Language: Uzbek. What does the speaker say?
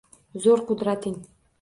Zo’r qudrating